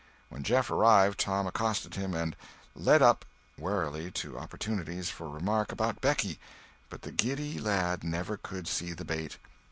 When Jeff arrived, Tom accosted him; and "led up" warily to opportunities for remark about Becky, but the giddy lad never could see the bait.